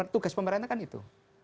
tugas pemerintah kan itu